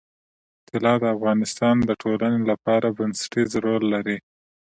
طلا د افغانستان د ټولنې لپاره بنسټيز رول لري.